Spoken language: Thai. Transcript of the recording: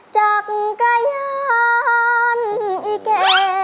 จากกระยานอีแก่